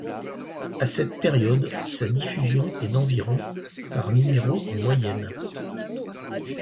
À cette période, sa diffusion est d'environ par numéro en moyenne.